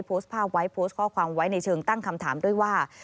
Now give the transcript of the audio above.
โพสต์ภาพไว้โพสต์ข้อความไว้ในเชิงตั้งคำถามด้วยว่า